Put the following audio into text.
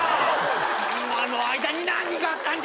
今の間に何があったんじゃ！？